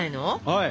はい。